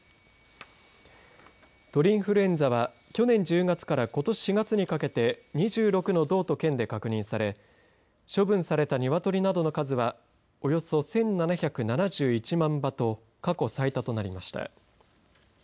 鳥インフルエンザは去年１０月からことし４月にかけて２６の道と県で確認され処分された鶏などの数はおよそ１７７１万羽と過去最多となりました。